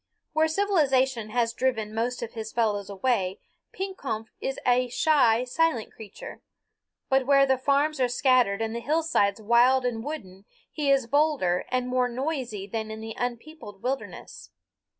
Where civilization has driven most of his fellows away, Pekompf is a shy, silent creature; but where the farms are scattered and the hillsides wild and wooded, he is bolder and more noisy than in the unpeopled wilderness.